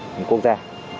của quốc gia